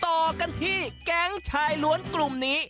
ต่อกันที่แก๊งชายล้วนกลุ่มนี้